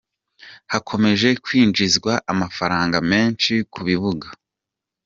Hakomeje kwinjizwa amafaranga menshi ku bibuga.